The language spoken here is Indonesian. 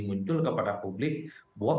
muncul kepada publik bahwa